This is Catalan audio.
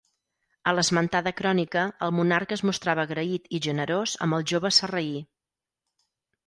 A l'esmentada crònica el monarca es mostrava agraït i generós amb el jove sarraí.